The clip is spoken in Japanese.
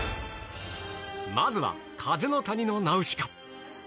まずは、風の谷のナウシカ。